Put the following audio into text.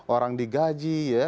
orang digaji ya